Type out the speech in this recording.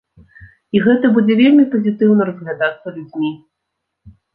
І гэты будзе вельмі пазітыўна разглядацца людзьмі.